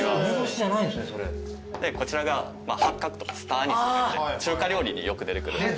こちらが八角スターアニスといって中華料理によく出てくる。